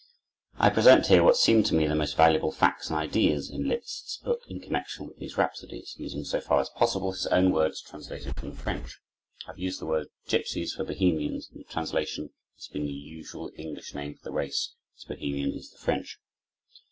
I present here what seem to me the most valuable facts and ideas in Liszt's book in connection with these Rhapsodies, using, so far as possible, his own words translated from the French. I have used the word "gipsies" for "Bohemians" in the translation; this being the usual English name for the race, as "Bohemian" is the French.